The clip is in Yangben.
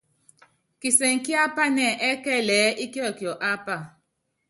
Kisɛŋɛ kíápanɛ́ ɛ́kɛlɛ ɛ́ɛ́ íkiɔkiɔ ápa.